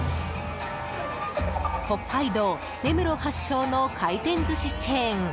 北海道根室発祥の回転寿司チェーン